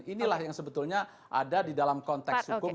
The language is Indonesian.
inilah yang sebetulnya ada di dalam konteks hukum